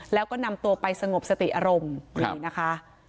แล้วก็นำตัวไปสงบสติอารมณ์นี่นะคะ